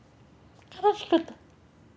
悲しかった。